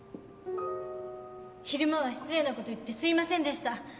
昼間は失礼なこと言ってすいませんでした。